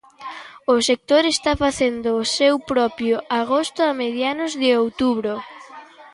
O sector está facendo o seu propio agosto a mediados de outubro.